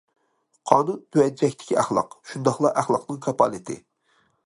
قانۇن تۆۋەن چەكتىكى ئەخلاق، شۇنداقلا ئەخلاقنىڭ كاپالىتى.